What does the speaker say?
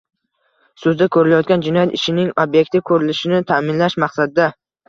Sudda ko‘rilayotgan jinoyat ishining ob’ektiv ko‘rilishini ta’minlash maqsadida